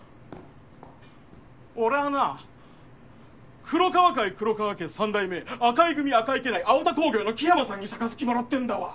俺はな黒川会黒川家三代目赤井組赤井家内青田工業の黄山さんに盃もらってんだわ。